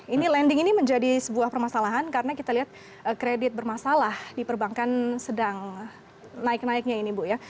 ini landing ini menjadi sebuah permasalahan karena kita lihat kredit bermasalah di perbankan sedang naik naiknya ini bu ya